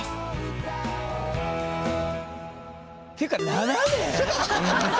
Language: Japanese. っていうか７年！